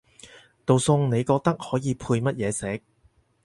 道餸你覺得可以配乜嘢食？